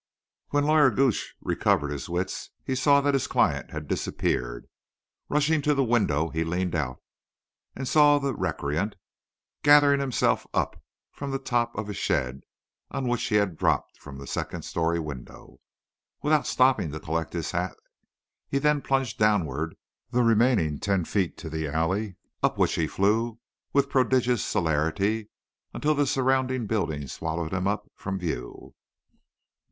When Lawyer Gooch recovered his wits he saw that his client had disappeared. Rushing to the window, he leaned out, and saw the recreant gathering himself up from the top of a shed upon which he had dropped from the second story window. Without stopping to collect his hat he then plunged downward the remaining ten feet to the alley, up which he flew with prodigious celerity until the surrounding building swallowed him up from view.